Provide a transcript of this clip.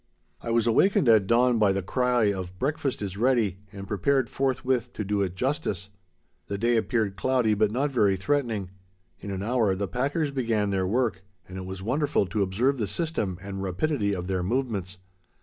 I was awakened at dawn by the cry of "Breakfast is ready," and prepared forthwith to do it justice. The day appeared cloudy but not very threatening. In an hour the packers began their work, and it was wonderful to observe the system and rapidity of their movements.